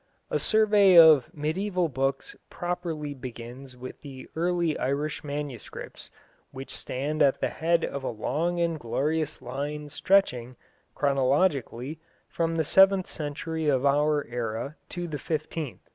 A survey of mediæval books properly begins with the early Irish manuscripts, which stand at the head of a long and glorious line stretching, chronologically, from the seventh century of our era to the fifteenth.